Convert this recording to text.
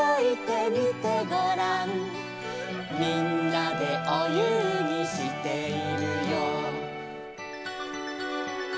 「みんなでおゆうぎしているよ」